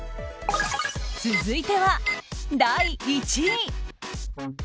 続いては第１位。